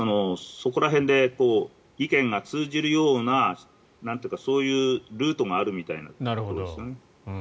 そこら辺で、意見が通じるようなそういうルートがあるみたいなんですよね。